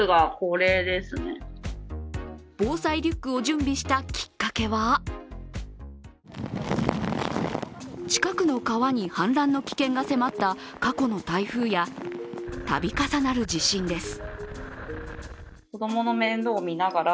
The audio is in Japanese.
防災リュックを準備したきっかけは近くの川に氾濫の危険が迫った過去の台風や度重なる地震です。